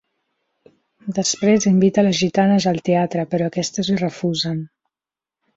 Després invita les gitanes al teatre, però aquestes hi refusen.